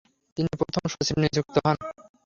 তিনি প্রথম সচিব নিযুক্ত হন।